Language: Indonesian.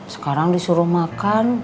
sekarang disuruh makan